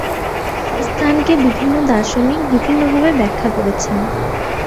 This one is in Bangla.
স্থানকে বিভিন্ন দার্শনিক বিভিন্নভাবে ব্যাখ্যা করেছেন।